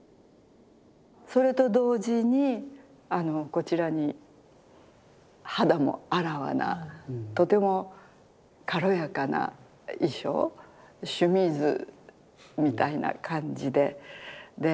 それと同時にこちらに肌もあらわなとても軽やかな衣装シュミーズみたいな感じで。